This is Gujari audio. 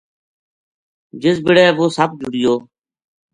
جس بِڑے وہ سپ جڑیو